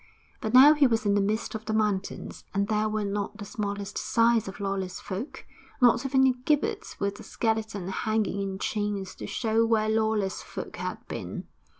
But now he was in the midst of the mountains, and there were not the smallest signs of lawless folk, not even a gibbet with a skeleton hanging in chains to show where lawless folk had been.